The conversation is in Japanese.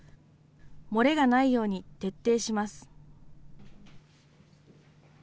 漏れがないように徹底します。